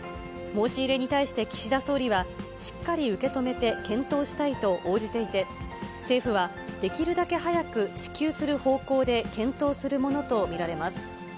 申し入れに対して、岸田総理は、しっかり受け止めて検討したいと応じていて、政府は、できるだけ早く支給する方向で検討するものと見られます。